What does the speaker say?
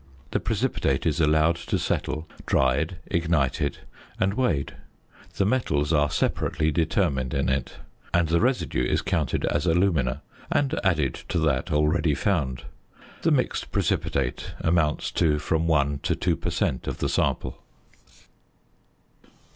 The precipitate is allowed to settle, dried, ignited, and weighed. The metals are separately determined in it; and the residue is counted as alumina, and added to that already found. The mixed precipitate amounts to from 1 to 2 per cent. of the sample.